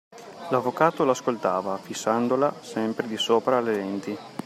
L'avvocato l'ascoltava, fissandola sempre di sopra alle lenti.